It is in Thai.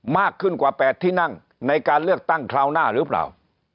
มากขึ้นกว่า๘ที่นั่งในการเลือกตั้งคราวหน้าหรือเปล่า